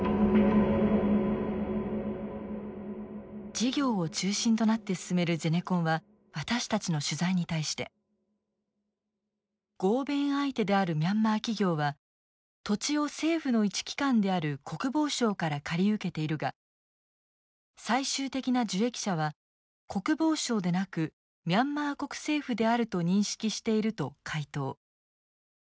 事業を中心となって進めるゼネコンは私たちの取材に対して「合弁相手であるミャンマー企業は土地を政府の一機関である国防省から借り受けているが最終的な受益者は国防省でなくミャンマー国政府であると認識している」と回答。